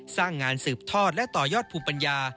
สร้างงานสืบทอดและต่อยอดภูมิปัญญา